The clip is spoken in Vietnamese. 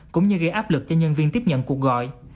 cũng như gây áp lực cho nhân viên tiếp nhận cuộc gọi